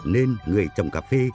nên người trồng cà phê